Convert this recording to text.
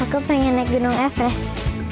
aku pengen naik gunung epes